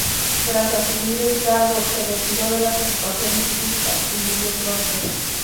Tras asumir el cargo, se retiró de las ocupaciones públicas y murió pronto.